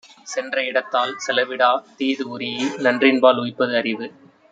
சென்ற இடத்தால் செலவிடா, தீது ஒரீஇ, நன்றின்பால் உய்ப்பது அறிவு.